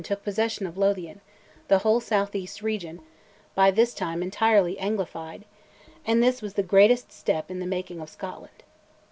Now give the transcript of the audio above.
took possession of Lothian, the whole south east region, by this time entirely anglified, and this was the greatest step in the making of Scotland.